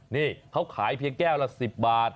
นี่เขาขายเพียงแก้วละ๑๐บาท